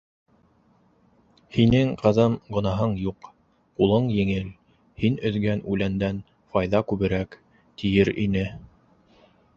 «һинең, ҡыҙым, гонаһың юҡ, ҡулың еңел. һин өҙгән үләндән файҙа күберәк», - тиер ине.